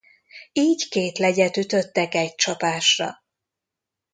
Így két legyet ütöttek egy csapásra.